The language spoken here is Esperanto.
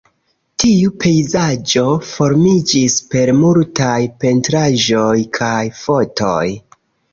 Tiu pejzaĝo famiĝis per multaj pentraĵoj kaj fotoj.